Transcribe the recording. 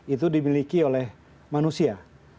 itu dimiliki oleh manusia